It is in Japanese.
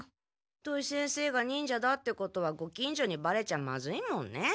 土井先生が忍者だってことはご近所にバレちゃまずいもんね。